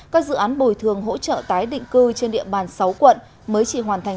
các dự án bồi thường hỗ trợ tái định cư trên địa bàn sáu quận mới chỉ hoàn thành